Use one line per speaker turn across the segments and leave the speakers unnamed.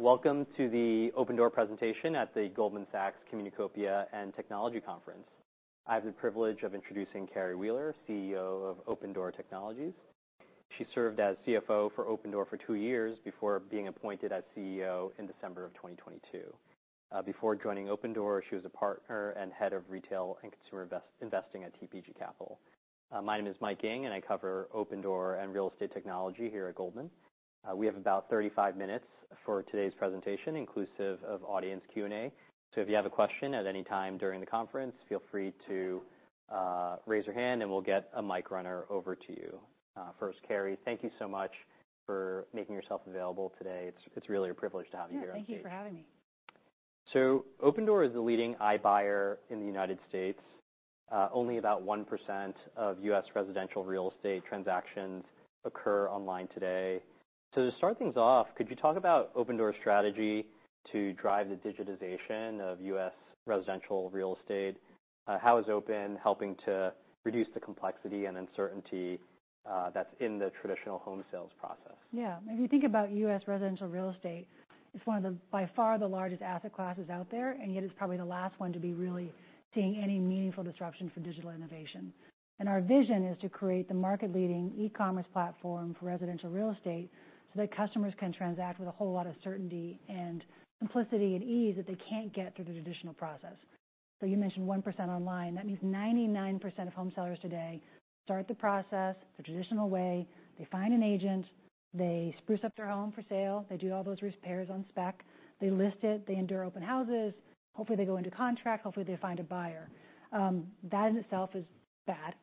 Welcome to the Opendoor presentation at the Goldman Sachs Communacopia and Technology Conference. I have the privilege of introducing Carrie Wheeler, CEO of Opendoor Technologies. She served as CFO for Opendoor for two years before being appointed as CEO in December 2022. Before joining Opendoor, she was a partner and head of retail and consumer investing at TPG Capital. My name is Michael Ng, and I cover Opendoor and real estate technology here at Goldman. We have about 35 minutes for today's presentation, inclusive of audience Q&A. So if you have a question at any time during the conference, feel free to raise your hand, and we'll get a mic runner over to you. First, Carrie, thank you so much for making yourself available today. It's really a privilege to have you here.
Yeah, thank you for having me.
So Opendoor is the leading iBuyer in the United States. Only about 1% of U.S. residential real estate transactions occur online today. So to start things off, could you talk about Opendoor's strategy to drive the digitization of U.S. residential real estate? How is Opendoor helping to reduce the complexity and uncertainty that's in the traditional home sales process?
Yeah. If you think about U.S. residential real estate, it's one of the, by far, the largest asset classes out there, and yet it's probably the last one to be really seeing any meaningful disruption from digital innovation. And our vision is to create the market-leading e-commerce platform for residential real estate, so that customers can transact with a whole lot of certainty and simplicity and ease that they can't get through the traditional process. So you mentioned 1% online. That means 99% of home sellers today start the process the traditional way. They find an agent. They spruce up their home for sale. They do all those repairs on spec. They list it. They endure open houses. Hopefully, they go into contract. Hopefully, they find a buyer. That in itself is bad.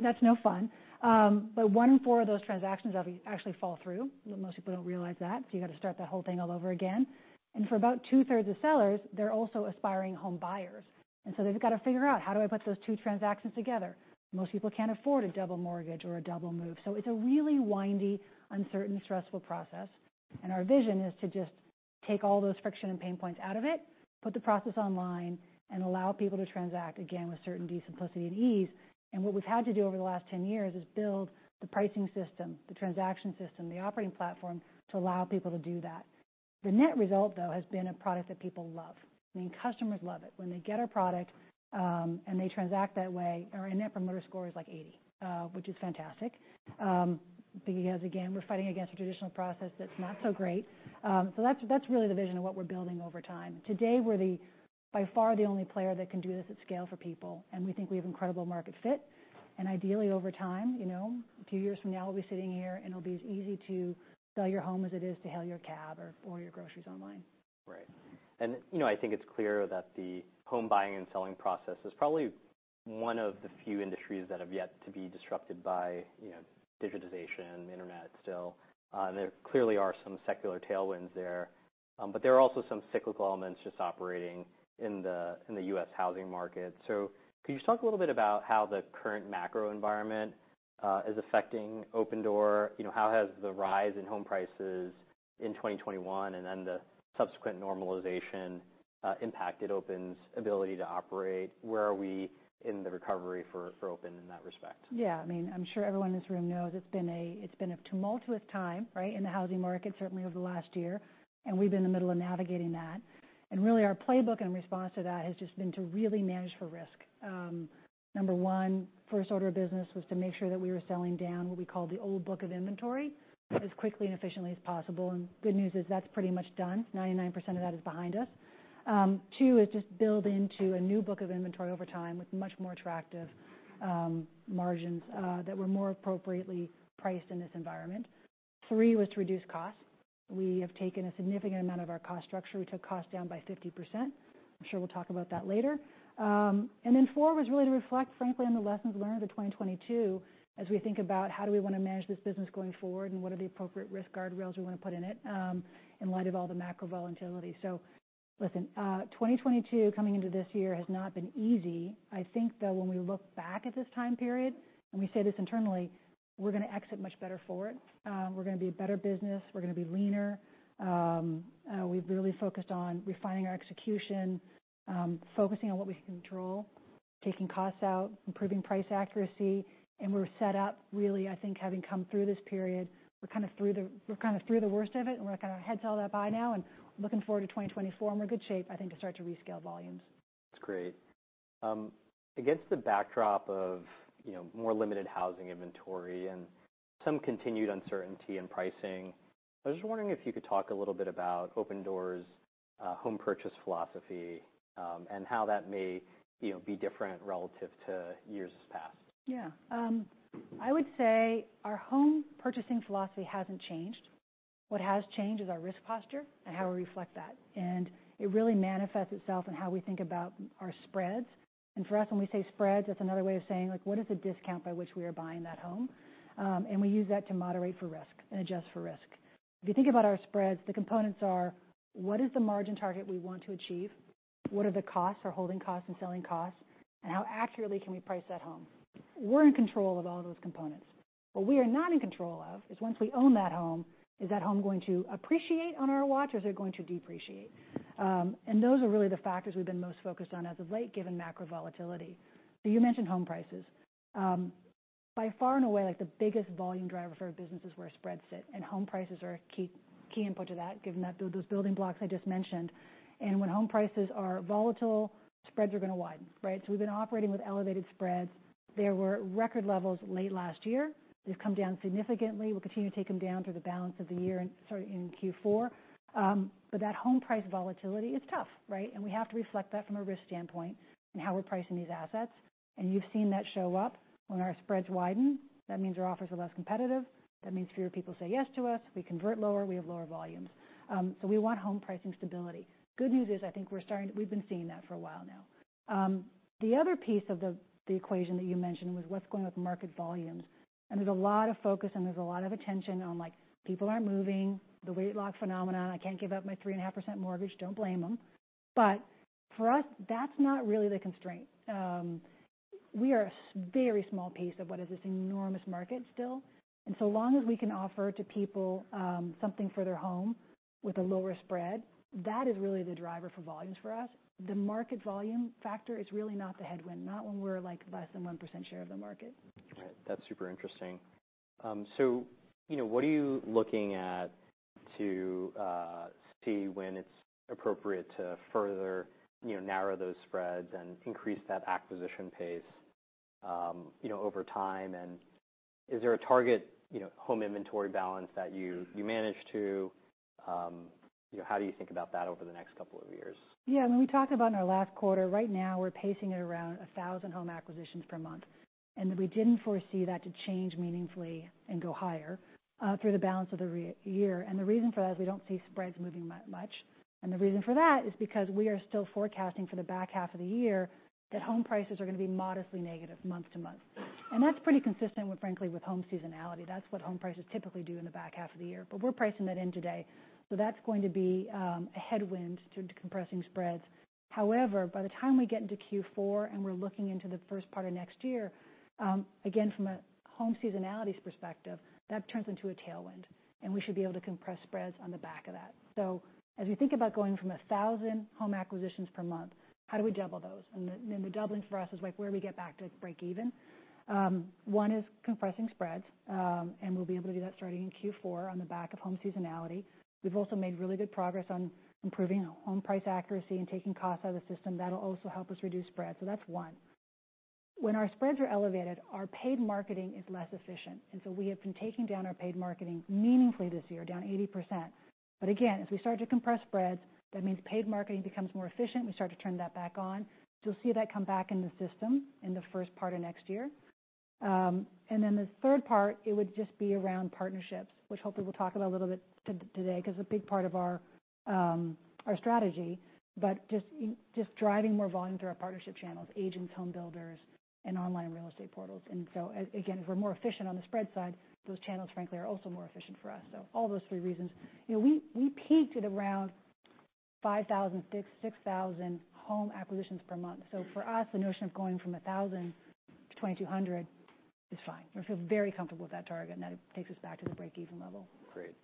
That's no fun. But one in four of those transactions obviously actually fall through. Most people don't realize that, so you gotta start that whole thing all over again. And for about two-thirds of sellers, they're also aspiring home buyers, and so they've got to figure out, "How do I put those two transactions together?" Most people can't afford a double mortgage or a double move. So it's a really windy, uncertain, stressful process, and our vision is to just take all those friction and pain points out of it, put the process online, and allow people to transact, again, with certainty, simplicity, and ease. And what we've had to do over the last 10 years is build the pricing system, the transaction system, the operating platform to allow people to do that. The net result, though, has been a product that people love. I mean, customers love it. When they get our product, and they transact that way, our Net Promoter Score is, like, 80, which is fantastic. Because, again, we're fighting against a traditional process that's not so great. So that's, that's really the vision of what we're building over time. Today, we're the, by far, the only player that can do this at scale for people, and we think we have incredible market fit. And ideally, over time, you know, a few years from now, we'll be sitting here, and it'll be as easy to sell your home as it is to hail your cab or, or your groceries online.
Right. And, you know, I think it's clear that the home buying and selling process is probably one of the few industries that have yet to be disrupted by, you know, digitization, the internet still. There clearly are some secular tailwinds there, but there are also some cyclical elements just operating in the, in the U.S. housing market. So could you talk a little bit about how the current macro environment is affecting Opendoor? You know, how has the rise in home prices in 2021 and then the subsequent normalization impacted Open's ability to operate? Where are we in the recovery for Open in that respect?
Yeah. I mean, I'm sure everyone in this room knows it's been a, it's been a tumultuous time, right, in the housing market, certainly over the last year, and we've been in the middle of navigating that. Really, our playbook and response to that has just been to really manage for risk. Number one, first order of business was to make sure that we were selling down what we call the old book of inventory as quickly and efficiently as possible, and the good news is that's pretty much done. 99% of that is behind us. Two is just build into a new book of inventory over time with much more attractive margins that were more appropriately priced in this environment. Three was to reduce costs. We have taken a significant amount of our cost structure. We took costs down by 50%. I'm sure we'll talk about that later. And then four was really to reflect, frankly, on the lessons learned in 2022, as we think about how do we wanna manage this business going forward, and what are the appropriate risk guardrails we wanna put in it, in light of all the macro volatility. So listen, 2022, coming into this year, has not been easy. I think, though, when we look back at this time period, and we say this internally, we're gonna exit much better for it. We're gonna be a better business. We're gonna be leaner. We've really focused on refining our execution, focusing on what we can control, taking costs out, improving price accuracy, and we're set up, really, I think, having come through this period. We're kind of through the worst of it, and we're kind of past all that by now and looking forward to 2024, and we're in good shape, I think, to start to rescale volumes.
That's great. Against the backdrop of, you know, more limited housing inventory and some continued uncertainty in pricing, I was just wondering if you could talk a little bit about Opendoor's home purchase philosophy, and how that may, you know, be different relative to years past?
Yeah. I would say our home purchasing philosophy hasn't changed. What has changed is our risk posture and how we reflect that, and it really manifests itself in how we think about our spreads. And for us, when we say spreads, that's another way of saying, like, what is the discount by which we are buying that home? And we use that to moderate for risk and adjust for risk. If you think about our spreads, the components are: What is the margin target we want to achieve? What are the costs, our holding costs and selling costs? And how accurately can we price that home? We're in control of all those components. What we are not in control of is, once we own that home, is that home going to appreciate on our watch, or is it going to depreciate? And those are really the factors we've been most focused on as of late, given macro volatility. So you mentioned home prices. By far and away, like the biggest volume driver for our business is where spreads sit, and home prices are a key, key input to that, given that those building blocks I just mentioned. And when home prices are volatile, spreads are gonna widen, right? So we've been operating with elevated spreads. They were at record levels late last year. They've come down significantly. We'll continue to take them down through the balance of the year and starting in Q4. But that home price volatility is tough, right? And we have to reflect that from a risk standpoint and how we're pricing these assets. And you've seen that show up. When our spreads widen, that means our offers are less competitive, that means fewer people say yes to us, we convert lower, we have lower volumes. So we want home pricing stability. Good news is, I think we've been seeing that for a while now. The other piece of the equation that you mentioned was what's going with market volumes. And there's a lot of focus, and there's a lot of attention on, like, people aren't moving, the rate lock phenomenon. I can't give up my 3.5% mortgage. Don't blame them. But for us, that's not really the constraint. We are a very small piece of what is this enormous market still, and so long as we can offer to people, something for their home with a lower spread, that is really the driver for volumes for us. The market volume factor is really not the headwind, not when we're, like, less than 1% share of the market.
Right. That's super interesting. So, you know, what are you looking at to see when it's appropriate to further, you know, narrow those spreads and increase that acquisition pace, you know, over time? And is there a target, you know, home inventory balance that you manage to... You know, how do you think about that over the next couple of years?
Yeah, when we talked about in our last quarter, right now we're pacing at around 1,000 home acquisitions per month, and we didn't foresee that to change meaningfully and go higher through the balance of the year. And the reason for that is we don't see spreads moving much. And the reason for that is because we are still forecasting for the back half of the year that home prices are going to be modestly negative month-to-month. And that's pretty consistent with, frankly, with home seasonality. That's what home prices typically do in the back half of the year. But we're pricing that in today, so that's going to be a headwind to decompressing spreads. However, by the time we get into Q4 and we're looking into the first part of next year, again, from a home seasonality perspective, that turns into a tailwind, and we should be able to compress spreads on the back of that. So as we think about going from 1,000 home acquisitions per month, how do we double those? And the doubling for us is like where we get back to break even. One is compressing spreads, and we'll be able to do that starting in Q4 on the back of home seasonality. We've also made really good progress on improving home price accuracy and taking costs out of the system. That'll also help us reduce spreads. So that's one. When our spreads are elevated, our paid marketing is less efficient, and so we have been taking down our paid marketing meaningfully this year, down 80%. But again, as we start to compress spreads, that means paid marketing becomes more efficient. We start to turn that back on. So you'll see that come back in the system in the first part of next year. And then the third part, it would just be around partnerships, which hopefully we'll talk about a little bit today, 'cause a big part of our, our strategy, but just, just driving more volume through our partnership channels, agents, home builders, and online real estate portals. And so, again, if we're more efficient on the spread side, those channels, frankly, are also more efficient for us. So all those three reasons. You know, we peaked at around 5,000-6,000 home acquisitions per month. So for us, the notion of going from 1,000 to 200 is fine. We feel very comfortable with that target, and that takes us back to the break-even level.
Great.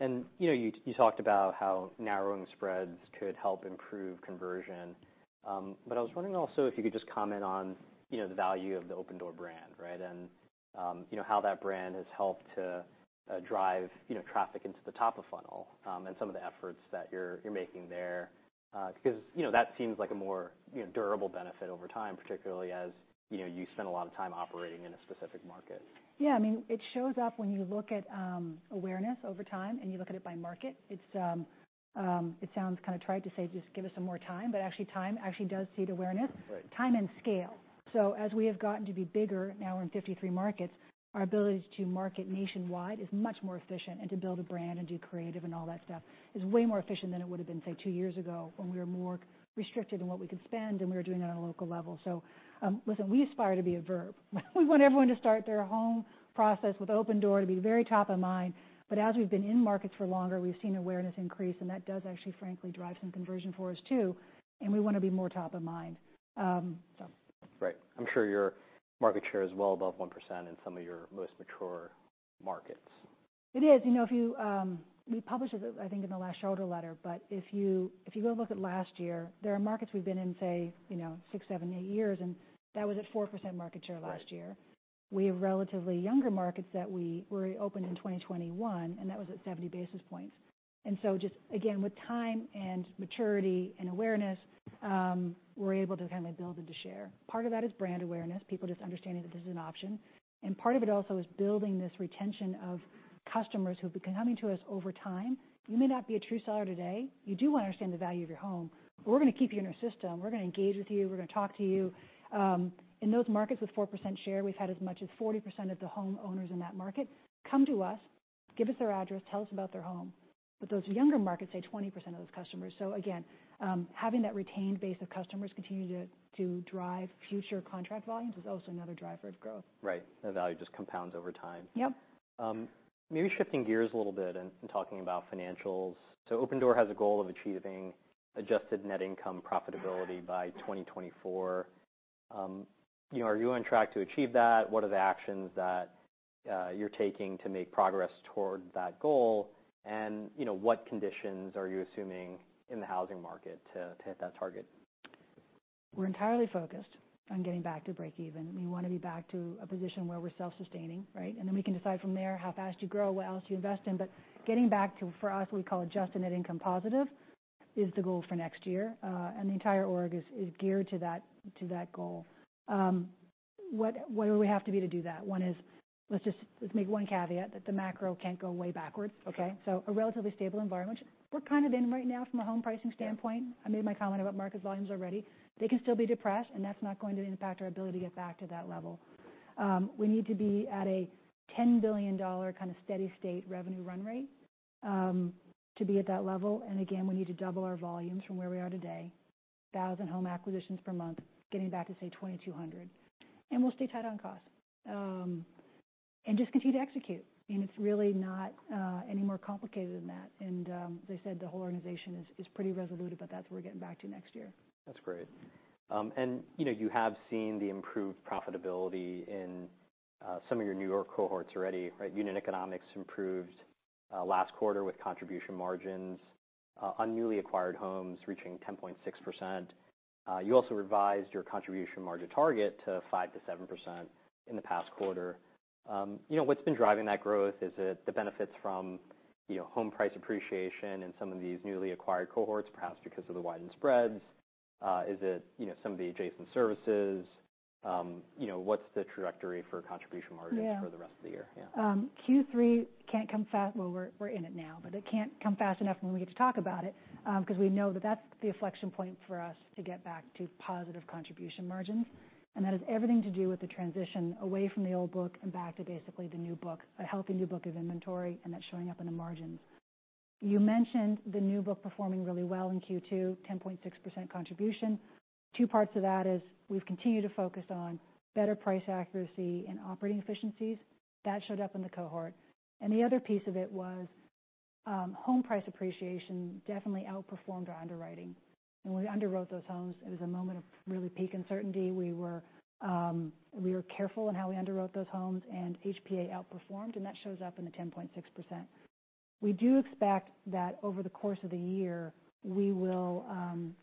And you know, you talked about how narrowing spreads could help improve conversion. But I was wondering also if you could just comment on, you know, the value of the Opendoor brand, right? And, you know, how that brand has helped to drive, you know, traffic into the top of funnel, and some of the efforts that you're making there. Because, you know, that seems like a more, you know, durable benefit over time, particularly as, you know, you spend a lot of time operating in a specific market.
Yeah, I mean, it shows up when you look at, awareness over time and you look at it by market. It's, it sounds kind of trite to say, "Just give us some more time," but actually, time actually does seed awareness.
Right.
Time and scale. So as we have gotten to be bigger, now we're in 53 markets, our ability to market nationwide is much more efficient. And to build a brand and do creative and all that stuff is way more efficient than it would have been, say, two years ago, when we were more restricted in what we could spend and we were doing it on a local level. So, listen, we aspire to be a verb. We want everyone to start their home process with Opendoor, to be very top of mind. But as we've been in markets for longer, we've seen awareness increase, and that does actually, frankly, drive some conversion for us too, and we want to be more top of mind. So.
Right. I'm sure your market share is well above 1% in some of your most mature markets.
It is. You know, we published it, I think, in the last shareholder letter. But if you go look at last year, there are markets we've been in, say, you know, six, seven, eight years, and that was at 4% market share last year.
Right.
We have relatively younger markets that we opened in 2021, and that was at 70 basis points. So just, again, with time and maturity and awareness, we're able to kind of build into share. Part of that is brand awareness, people just understanding that this is an option, and part of it also is building this retention of customers who've been coming to us over time. You may not be a true seller today. You do understand the value of your home, but we're gonna keep you in our system, we're gonna engage with you, we're gonna talk to you. In those markets with 4% share, we've had as much as 40% of the home owners in that market come to us, give us their address, tell us about their home. But those younger markets, say, 20% of those customers. So again, having that retained base of customers continue to drive future contract volumes is also another driver of growth.
Right. That value just compounds over time.
Yep.
Maybe shifting gears a little bit and talking about financials. So Opendoor has a goal of achieving adjusted net income profitability by 2024. You know, are you on track to achieve that? What are the actions that you're taking to make progress toward that goal? And, you know, what conditions are you assuming in the housing market to hit that target?...
We're entirely focused on getting back to breakeven. We wanna be back to a position where we're self-sustaining, right? And then we can decide from there how fast you grow, what else you invest in. But getting back to, for us, we call it adjusted net income positive, is the goal for next year. And the entire org is geared to that goal. What do we have to do that? One is, let's make one caveat, that the macro can't go way backwards, okay? So a relatively stable environment, which we're kind of in right now from a home pricing standpoint. I made my comment about market volumes already. They can still be depressed, and that's not going to impact our ability to get back to that level. We need to be at a $10 billion kind of steady state revenue run rate, to be at that level. And again, we need to double our volumes from where we are today, 1,000 home acquisitions per month, getting back to, say, 2,200, and we'll stay tight on cost. And just continue to execute, and it's really not any more complicated than that. And, as I said, the whole organization is pretty resolute, but that's what we're getting back to next year.
That's great. And, you know, you have seen the improved profitability in some of your newer cohorts already, right? Unit economics improved last quarter with contribution margins on newly acquired homes, reaching 10.6%. You also revised your contribution margin target to 5%-7% in the past quarter. You know, what's been driving that growth? Is it the benefits from, you know, home price appreciation and some of these newly acquired cohorts, perhaps because of the widened spreads? Is it, you know, some of the adjacent services? You know, what's the trajectory for contribution margins-
Yeah.
For the rest of the year? Yeah.
Q3 can't come fast... Well, we're, we're in it now, but it can't come fast enough when we get to talk about it, 'cause we know that that's the inflection point for us to get back to positive contribution margins. And that has everything to do with the transition away from the old book and back to basically the new book, a healthy new book of inventory, and that's showing up in the margins. You mentioned the new book performing really well in Q2, 10.6% contribution. Two parts of that is we've continued to focus on better price accuracy and operating efficiencies. That showed up in the cohort. And the other piece of it was, home price appreciation definitely outperformed our underwriting. When we underwrote those homes, it was a moment of really peak uncertainty. We were careful in how we underwrote those homes, and HPA outperformed, and that shows up in the 10.6%. We do expect that over the course of the year, we will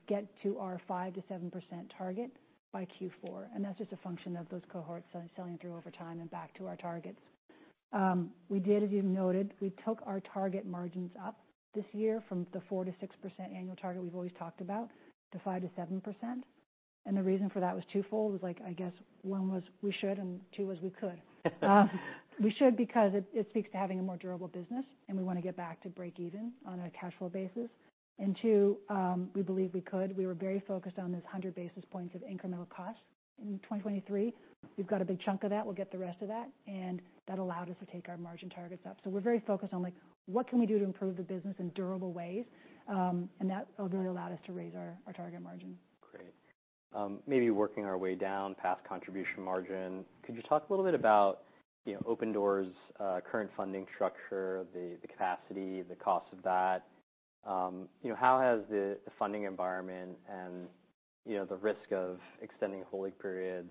get to our 5%-7% target by Q4, and that's just a function of those cohorts selling through over time and back to our targets. We did, as you've noted, we took our target margins up this year from the 4%-6% annual target we've always talked about, to 5%-7%. And the reason for that was twofold, was like, I guess one was we should, and two was we could. We should, because it speaks to having a more durable business, and we wanna get back to breakeven on a cash flow basis. And two, we believe we could. We were very focused on this 100 basis points of incremental cost in 2023. We've got a big chunk of that. We'll get the rest of that, and that allowed us to take our margin targets up. So we're very focused on, like, what can we do to improve the business in durable ways? And that really allowed us to raise our target margin.
Great. Maybe working our way down, past contribution margin, could you talk a little bit about, you know, Opendoor's current funding structure, the capacity, the cost of that? You know, how has the funding environment and, you know, the risk of extended holding periods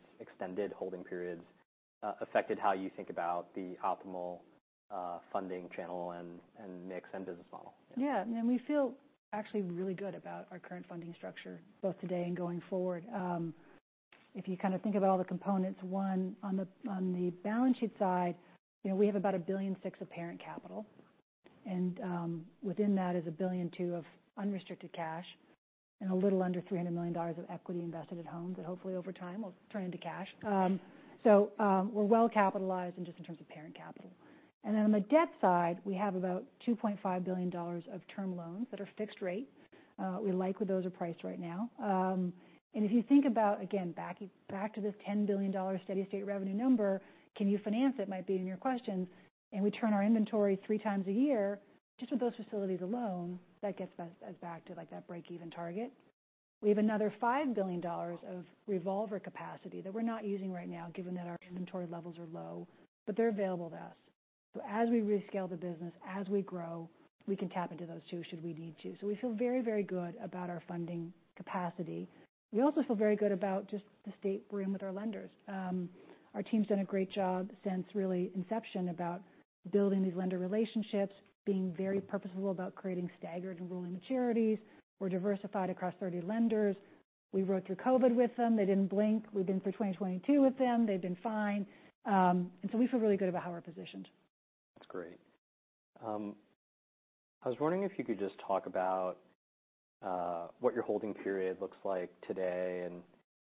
affected how you think about the optimal funding channel and mix and business model?
Yeah, and we feel actually really good about our current funding structure, both today and going forward. If you kind of think about all the components, one, on the balance sheet side, you know, we have about $1.6 billion of parent capital, and within that is $1.2 billion of unrestricted cash, and a little under $300 million of equity invested at home, that hopefully over time will turn into cash. So, we're well-capitalized in just in terms of parent capital. And then on the debt side, we have about $2.5 billion of term loans that are fixed rate. We like where those are priced right now. And if you think about, again, back to this $10 billion steady state revenue number, can you finance it? Might be in your questions, and we turn our inventory three times a year, just with those facilities alone, that gets us back to like that breakeven target. We have another $5 billion of revolver capacity that we're not using right now, given that our inventory levels are low, but they're available to us. So as we rescale the business, as we grow, we can tap into those too, should we need to. So we feel very, very good about our funding capacity. We also feel very good about just the state we're in with our lenders. Our team's done a great job since really inception, about building these lender relationships, being very purposeful about creating staggered and ruling maturities. We're diversified across 30 lenders. We rode through COVID with them, they didn't blink. We've been through 2022 with them, they've been fine. And so we feel really good about how we're positioned.
That's great. I was wondering if you could just talk about what your holding period looks like today, and,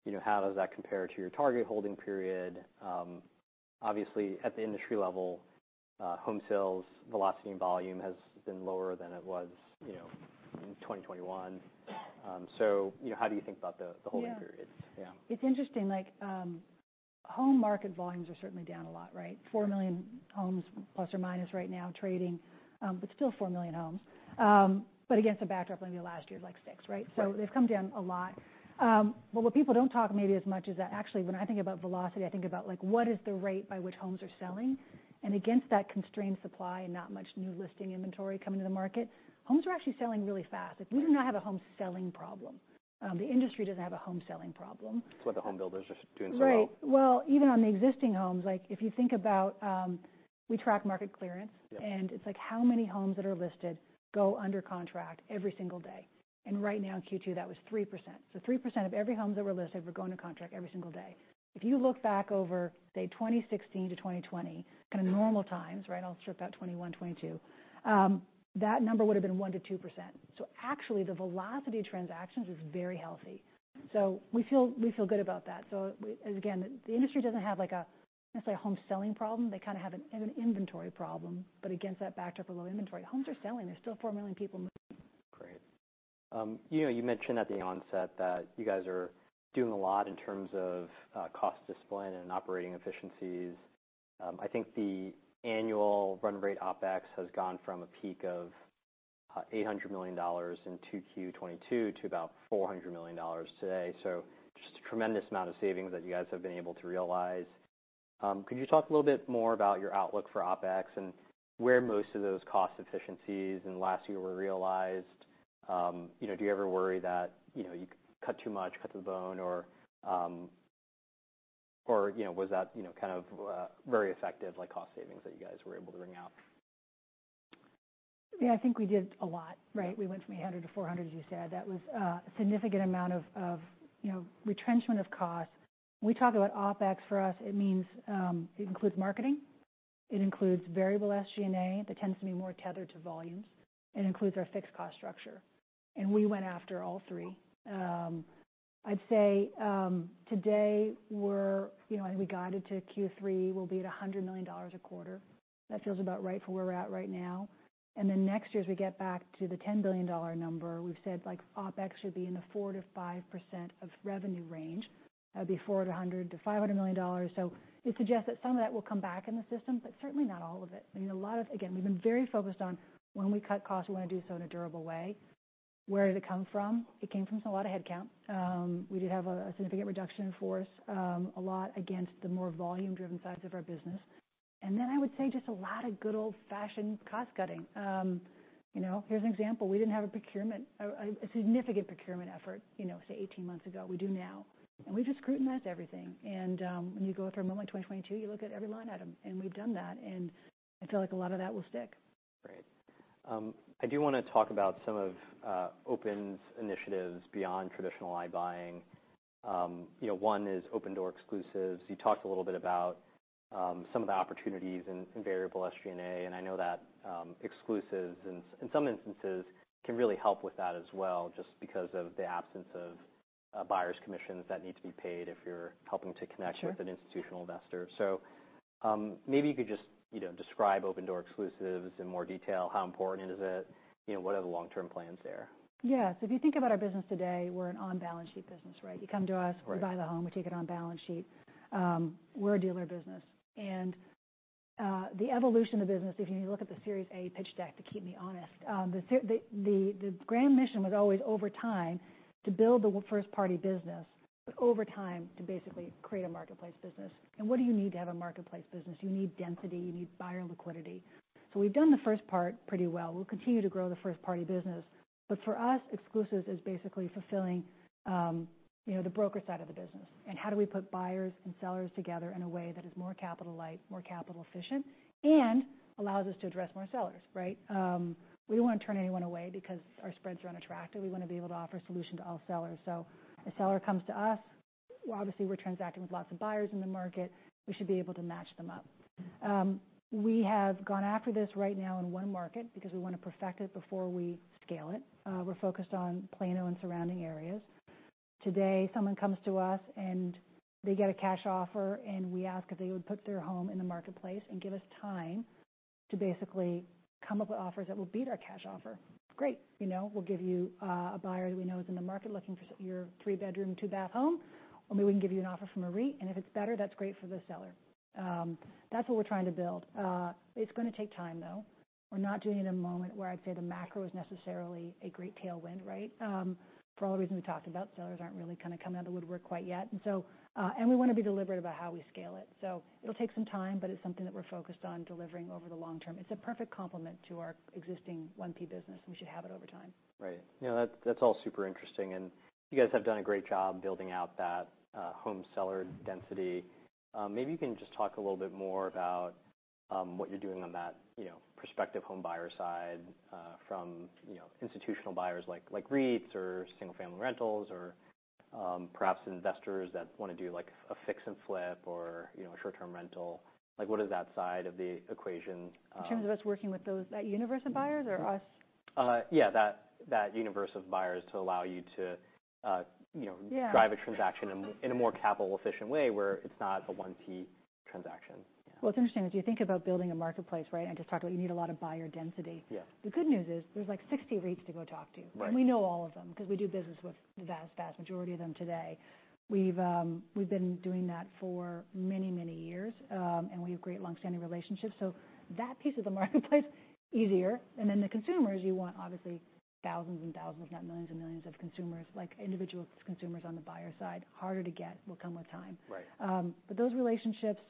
you know, how does that compare to your target holding period? Obviously, at the industry level, home sales velocity and volume has been lower than it was, you know, in 2021. So you know, how do you think about the holding periods?
Yeah.
Yeah.
It's interesting, like, home market volumes are certainly down a lot, right? 4 million homes, plus or minus, right now, trading, but still 4 million homes. But against a backdrop, maybe last year, like six, right?
Right.
So they've come down a lot. But what people don't talk maybe as much, is that actually, when I think about velocity, I think about, like, what is the rate by which homes are selling?... and against that constrained supply and not much new listing inventory coming to the market, homes are actually selling really fast. We do not have a home selling problem. The industry doesn't have a home selling problem.
That's what the home builders are doing so well.
Right. Well, even on the existing homes, like, if you think about, we track market clearance.
Yeah.
It's like, how many homes that are listed go under contract every single day? Right now, in Q2, that was 3%. So 3% of every homes that were listed were going to contract every single day. If you look back over, say, 2016 to 2020, kind of normal times, right? I'll strip out 2021, 2022, that number would have been 1%-2%. So actually, the velocity of transactions is very healthy. So we feel, we feel good about that. So, again, the industry doesn't have, like, a, necessarily a home selling problem. They kind of have an inventory problem, but against that, backed up a little inventory. Homes are selling. There's still 4 million people moving.
Great. You know, you mentioned at the onset that you guys are doing a lot in terms of cost discipline and operating efficiencies. I think the annual run rate OpEx has gone from a peak of $800 million in 2Q 2022 to about $400 million today. So just a tremendous amount of savings that you guys have been able to realize. Could you talk a little bit more about your outlook for OpEx and where most of those cost efficiencies in the last year were realized? You know, do you ever worry that, you know, you could cut too much, cut to the bone, or, or, you know, was that, you know, kind of very effective, like, cost savings that you guys were able to wring out?
Yeah, I think we did a lot, right? We went from 800 to 400, as you said. That was a significant amount of, of, you know, retrenchment of cost. We talk about OpEx, for us, it means, it includes marketing, it includes variable SG&A. That tends to be more tethered to volumes, and includes our fixed cost structure. And we went after all three. I'd say, today, we're, you know, as we guided to Q3, we'll be at $100 million a quarter. That feels about right for where we're at right now. And then next year, as we get back to the $10 billion number, we've said, like, OpEx should be in the 4%-5% of revenue range. That would be $400 million-$500 million. So it suggests that some of that will come back in the system, but certainly not all of it. I mean, a lot of... Again, we've been very focused on when we cut costs, we want to do so in a durable way. Where did it come from? It came from a lot of headcount. We did have a significant reduction in force, a lot against the more volume-driven sides of our business. And then I would say, just a lot of good old-fashioned cost cutting. You know, here's an example: We didn't have a significant procurement effort, you know, say, 18 months ago. We do now, and we just scrutinize everything. And when you go through a moment like 2022, you look at every line item, and we've done that, and I feel like a lot of that will stick.
Great. I do want to talk about some of Opendoor's initiatives beyond traditional iBuying. You know, one is Opendoor Exclusives. You talked a little bit about some of the opportunities in variable SG&A, and I know that exclusives in some instances can really help with that as well, just because of the absence of buyer's commissions that need to be paid if you're helping to connect-
Sure...
with an institutional investor. So, maybe you could just, you know, describe Opendoor Exclusives in more detail. How important is it? You know, what are the long-term plans there?
Yes. If you think about our business today, we're an on-balance sheet business, right? You come to us-
Right...
we buy the home, we take it on balance sheet. We're a dealer business, and the evolution of the business, if you look at the Series A pitch deck, to keep me honest, the grand mission was always over time, to build the first party business, but over time, to basically create a marketplace business. And what do you need to have a marketplace business? You need density, you need buyer liquidity. So we've done the first part pretty well. We'll continue to grow the first-party business, but for us, exclusives is basically fulfilling, you know, the broker side of the business. And how do we put buyers and sellers together in a way that is more capital light, more capital efficient, and allows us to address more sellers, right? We don't want to turn anyone away because our spreads are unattractive. We want to be able to offer a solution to all sellers. So a seller comes to us, well, obviously, we're transacting with lots of buyers in the market. We should be able to match them up. We have gone after this right now in one market because we want to perfect it before we scale it. We're focused on Plano and surrounding areas. Today, someone comes to us, and they get a cash offer, and we ask if they would put their home in the marketplace and give us time to basically come up with offers that will beat our cash offer. Great, you know, we'll give you a buyer that we know is in the market looking for your three-bedroom, two-bath home. Or maybe we can give you an offer from a REIT, and if it's better, that's great for the seller. That's what we're trying to build. It's gonna take time, though. We're not doing it in a moment where I'd say the macro is necessarily a great tailwind, right? For all the reasons we talked about, sellers aren't really kind of coming out of the woodwork quite yet. And so, and we want to be deliberate about how we scale it. So it'll take some time, but it's something that we're focused on delivering over the long term. It's a perfect complement to our existing 1P business, and we should have it over time.
Right. You know, that's all super interesting, and you guys have done a great job building out that home seller density. Maybe you can just talk a little bit more about what you're doing on that, you know, prospective home buyer side, from, you know, institutional buyers like REITs or single-family rentals, or perhaps investors that want to do, like, a fix and flip or, you know, a short-term rental. Like, what is that side of the equation?
In terms of us working with those, that universe of buyers-
Mm-hmm...
or us?
Yeah, that universe of buyers to allow you to, you know-
Yeah...
drive a transaction in a more capital-efficient way, where it's not a 1P transaction.
Well, it's interesting, as you think about building a marketplace, right? I just talked about, you need a lot of buyer density.
Yeah.
The good news is there's, like, 60 REITs to go talk to.
Right.
And we know all of them because we do business with the vast, vast majority of them today. We've, we've been doing that for many, many years, and we have great long-standing relationships, that piece of the marketplace easier. And then the consumers, you want obviously, thousands and thousands, if not millions and millions of consumers, like individual consumers on the buyer side, harder to get, will come with time.
Right.
But those relationships,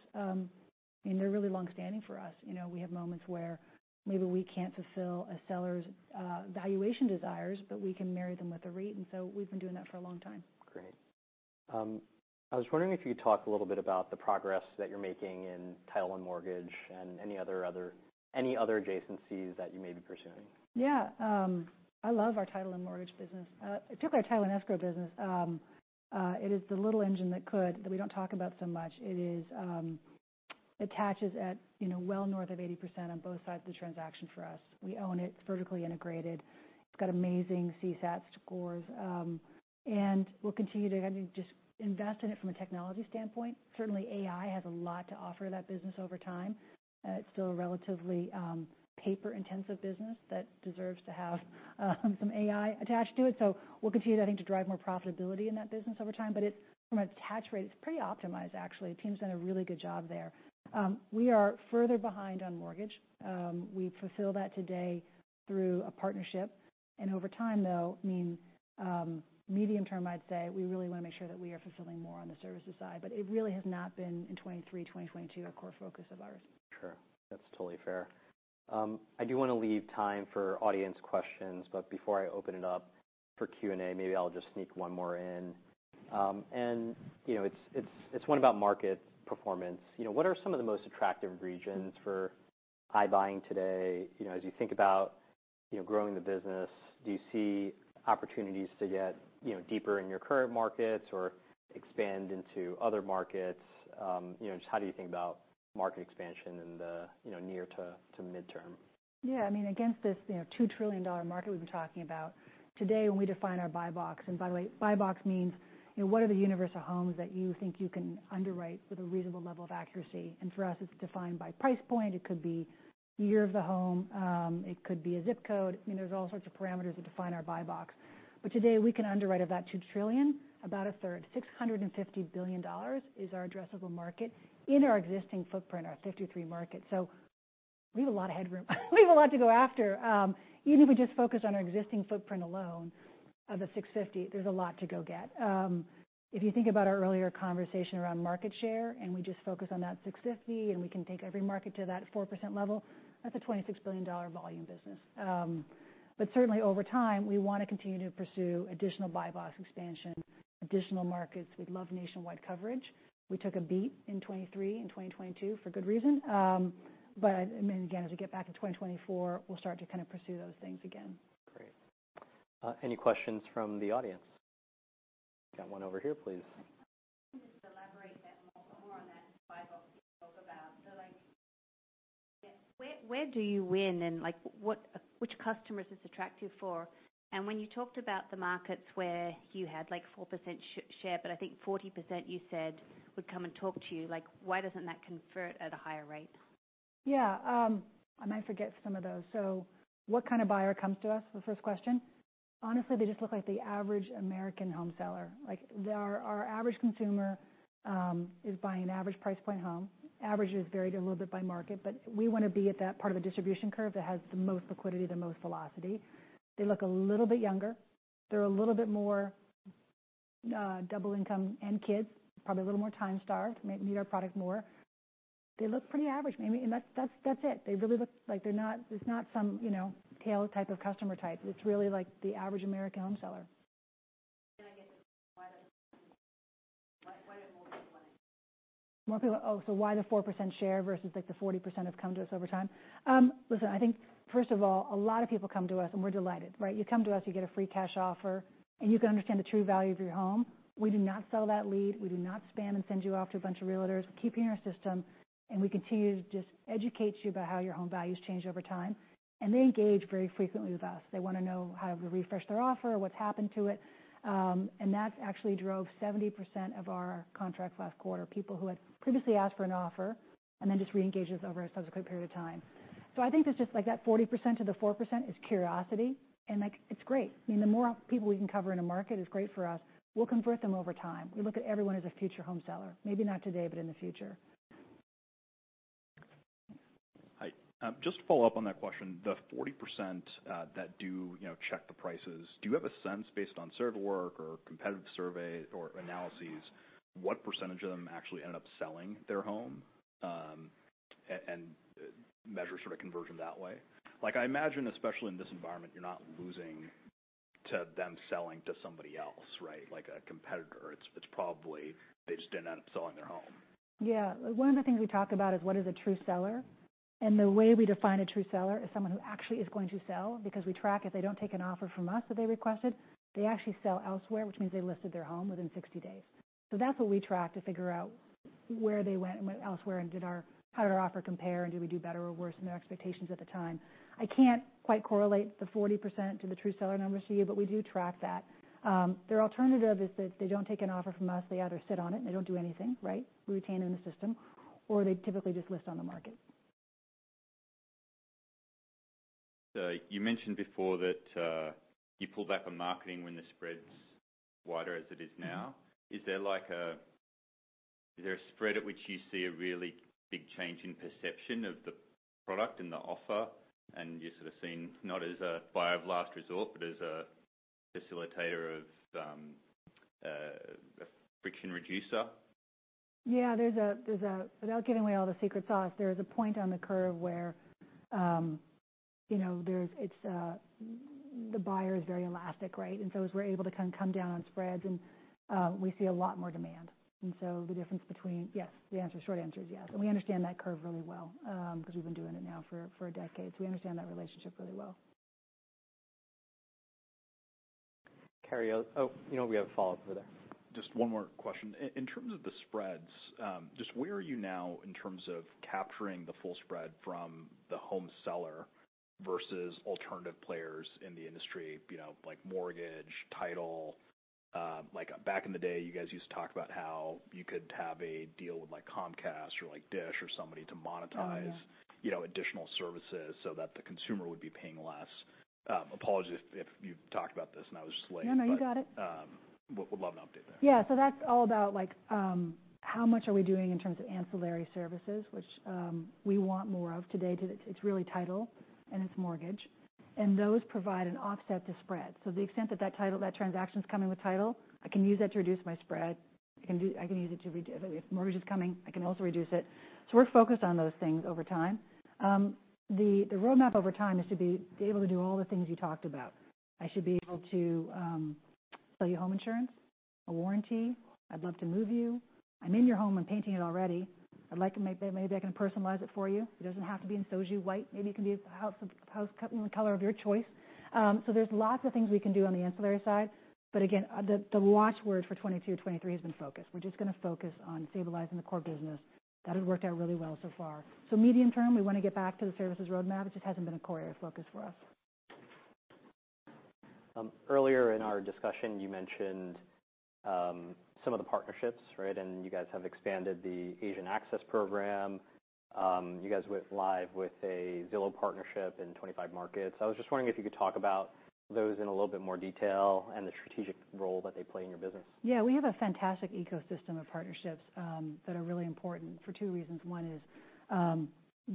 I mean, they're really long-standing for us. You know, we have moments where maybe we can't fulfill a seller's valuation desires, but we can marry them with a rate, and so we've been doing that for a long time.
Great. I was wondering if you could talk a little bit about the progress that you're making in title and mortgage and any other adjacencies that you may be pursuing?
Yeah, I love our title and mortgage business, particularly our title and escrow business. It is the little engine that could, that we don't talk about so much. It attaches at, you know, well north of 80% on both sides of the transaction for us. We own it, it's vertically integrated. It's got amazing CSAT scores, and we'll continue to, I think, just invest in it from a technology standpoint. Certainly, AI has a lot to offer that business over time. It's still a relatively paper-intensive business that deserves to have some AI attached to it. So we'll continue, I think, to drive more profitability in that business over time, but from an attach rate, it's pretty optimized actually. The team's done a really good job there. We are further behind on mortgage. We fulfill that today through a partnership, and over time, though, I mean, medium term, I'd say, we really wanna make sure that we are fulfilling more on the services side, but it really has not been, in 2023, 2022, a core focus of ours.
Sure, that's totally fair. I do wanna leave time for audience questions, but before I open it up for Q&A, maybe I'll just sneak one more in. And, you know, it's one about market performance. You know, what are some of the most attractive regions for iBuying today? You know, as you think about, you know, growing the business, do you see opportunities to get, you know, deeper in your current markets or expand into other markets? You know, just how do you think about market expansion in the, you know, near to midterm?
Yeah, I mean, against this, you know, $2 trillion market we've been talking about, today, when we define our buy box... And by the way, buy box means, you know, what are the universe of homes that you think you can underwrite with a reasonable level of accuracy? And for us, it's defined by price point. It could be year of the home, it could be a zip code. I mean, there's all sorts of parameters that define our buy box. But today, we can underwrite about $2 trillion, about a third. $650 billion is our addressable market in our existing footprint, our 53 markets. So we have a lot of headroom, we have a lot to go after. Even if we just focus on our existing footprint alone, of the $650 billion, there's a lot to go get. If you think about our earlier conversation around market share, and we just focus on that 650, and we can take every market to that 4% level, that's a $26 billion volume business. But certainly, over time, we wanna continue to pursue additional buy box expansion, additional markets. We'd love nationwide coverage. We took a beat in 2023, in 2022, for good reason. But, I mean, again, as we get back into 2024, we'll start to kind of pursue those things again.
Great. Any questions from the audience? Got one over here, please.
Can you just elaborate more on that buy box you talk about? So like, where do you win, and like, which customers does it attract you for? And when you talked about the markets where you had like 4% share, but I think 40% you said would come and talk to you, like, why doesn't that convert at a higher rate?
Yeah, I might forget some of those. So what kind of buyer comes to us? The first question. Honestly, they just look like the average American home seller. Like, our average consumer is buying an average price point home. Average is varied a little bit by market, but we wanna be at that part of the distribution curve that has the most liquidity, the most velocity. They look a little bit younger. They're a little bit more double income and kids, probably a little more time-starved, may need our product more. They look pretty average, maybe, and that's it. They really look like... They're not. It's not some, you know, tail type of customer type. It's really, like, the average American home seller.
Can I get why more people?
Oh, so why the 4% share versus, like, the 40% have come to us over time? Listen, I think first of all, a lot of people come to us, and we're delighted, right? You come to us, you get a free cash offer, and you can understand the true value of your home. We do not sell that lead. We do not spam and send you off to a bunch of realtors. We keep you in our system, and we continue to just educate you about how your home value's changed over time. And they engage very frequently with us. They wanna know how to refresh their offer, what's happened to it, and that's actually drove 70% of our contracts last quarter. People who had previously asked for an offer, and then just re-engaged us over a subsequent period of time. So I think it's just, like, that 40%-4% is curiosity, and, like, it's great. I mean, the more people we can cover in a market is great for us. We'll convert them over time. We look at everyone as a future home seller. Maybe not today, but in the future.
Hi, just to follow up on that question, the 40%, that do, you know, check the prices, do you have a sense, based on survey work or competitive survey or analyses, what percentage of them actually end up selling their home, and measure sort of conversion that way? Like, I imagine, especially in this environment, you're not losing to them selling to somebody else, right? Like a competitor. It's, it's probably, they just didn't end up selling their home.
Yeah. One of the things we talk about is what is a true seller? And the way we define a true seller is someone who actually is going to sell, because we track if they don't take an offer from us that they requested, they actually sell elsewhere, which means they listed their home within 60 days. So that's what we track to figure out where they went and went elsewhere, and how did our offer compare, and did we do better or worse than their expectations at the time? I can't quite correlate the 40% to the true seller numbers to you, but we do track that. Their alternative is that they don't take an offer from us. They either sit on it, they don't do anything, right? We retain in the system, or they typically just list on the market. ...
So you mentioned before that you pull back on marketing when the spread's wider as it is now. Is there a spread at which you see a really big change in perception of the product and the offer, and you're sort of seen not as a buyer of last resort, but as a facilitator of a friction reducer?
Yeah, there's a-- Without giving away all the secret sauce, there is a point on the curve where you know the buyer is very elastic, right? And so as we're able to kind of come down on spreads, and we see a lot more demand. And so the difference between-- Yes, the answer, short answer is yes, and we understand that curve really well, 'cause we've been doing it now for decades. We understand that relationship really well.
Carrie, you know, we have a follow-up over there.
Just one more question. In terms of the spreads, just where are you now in terms of capturing the full spread from the home seller versus alternative players in the industry, you know, like mortgage, title? Like, back in the day, you guys used to talk about how you could have a deal with, like, Comcast or, like, Dish or somebody to monetize-
Oh, yeah.
-you know, additional services so that the consumer would be paying less. Apologies if you've talked about this and I was just late.
No, no, you got it.
But, would love an update there.
Yeah, so that's all about, like, how much are we doing in terms of ancillary services, which we want more of today, 'cause it's, it's really title and it's mortgage. And those provide an offset to spread. So to the extent that that title, that transaction's coming with title, I can use that to reduce my spread. I can use it to reduce it if mortgage is coming. So we're focused on those things over time. The roadmap over time is to be able to do all the things you talked about. I should be able to sell you home insurance, a warranty. I'd love to move you. I'm in your home and painting it already. I'd like to maybe personalize it for you. It doesn't have to be in Shoji White. Maybe it can be a house color of your choice. So there's lots of things we can do on the ancillary side, but again, the watchword for 2022, 2023, has been focus. We're just gonna focus on stabilizing the core business. That has worked out really well so far. So medium term, we wanna get back to the services roadmap. It just hasn't been a core area of focus for us.
Earlier in our discussion, you mentioned some of the partnerships, right? And you guys have expanded the Agent Access program. You guys went live with a Zillow partnership in 25 markets. I was just wondering if you could talk about those in a little bit more detail, and the strategic role that they play in your business.
Yeah, we have a fantastic ecosystem of partnerships that are really important for two reasons. One is,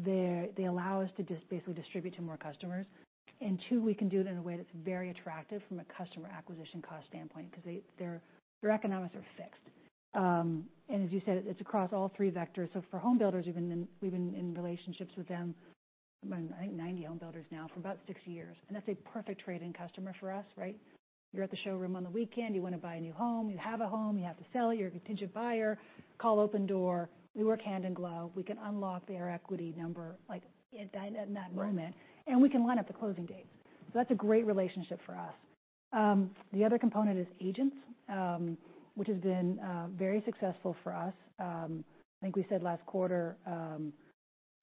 they allow us to just basically distribute to more customers, and two, we can do it in a way that's very attractive from a customer acquisition cost standpoint, 'cause their economics are fixed. And as you said, it's across all three vectors. So for home builders, we've been in relationships with them, I think 90 home builders now, for about six years. And that's a perfect trade-in customer for us, right? You're at the showroom on the weekend, you wanna buy a new home. You have a home, you have to sell it, you're a contingent buyer. Call Opendoor, we work hand in glove. We can unlock their equity number, like, in that moment, and we can line up the closing dates. So that's a great relationship for us. The other component is agents, which has been very successful for us. I think we said last quarter,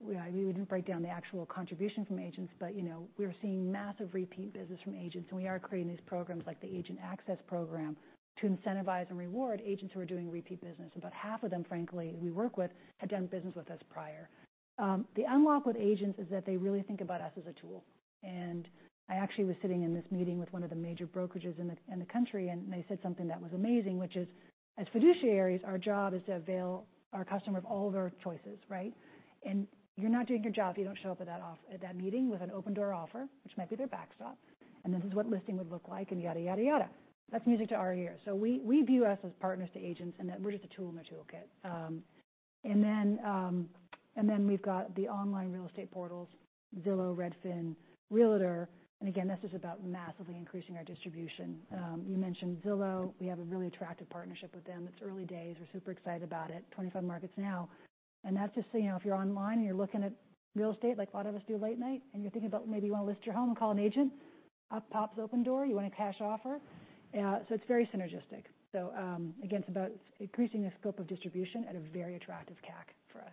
we didn't break down the actual contribution from agents, but, you know, we're seeing massive repeat business from agents, and we are creating these programs, like the Agent Access program, to incentivize and reward agents who are doing repeat business. About half of them, frankly, we work with, have done business with us prior. The unlock with agents is that they really think about us as a tool. And I actually was sitting in this meeting with one of the major brokerages in the country, and they said something that was amazing, which is, "As fiduciaries, our job is to avail our customer of all of their choices, right? You're not doing your job if you don't show up at that meeting with an Opendoor offer, which might be their backstop. And this is what listing would look like," and yada, yada, yada. That's music to our ears. We view us as partners to agents, and that we're just a tool in their toolkit. And then we've got the online real estate portals, Zillow, Redfin, Realtor, and again, that's just about massively increasing our distribution. You mentioned Zillow. We have a really attractive partnership with them. It's early days, we're super excited about it, 25 markets now. That's just so you know, if you're online and you're looking at real estate, like a lot of us do late night, and you're thinking about maybe you wanna list your home and call an agent, up pops Opendoor, you want a cash offer? So it's very synergistic. So, again, it's about increasing the scope of distribution at a very attractive CAC for us.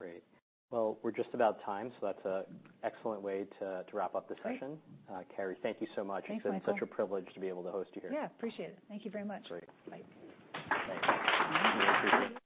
Great. Well, we're just about time, so that's an excellent way to wrap up the session.
Great.
Carrie, thank you so much.
Thanks, Michael.
It's been such a privilege to be able to host you here.
Yeah, appreciate it. Thank you very much.
Great.
Bye.
Thanks. We appreciate it.